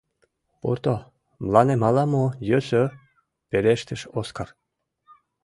— Пурто, мыланем ала-мо йӧсӧ, — пелештыш Оскар.